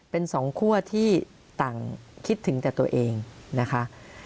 เป็นสองคั่วที่ต่างคิดถึงแต่ตัวเองนะคะ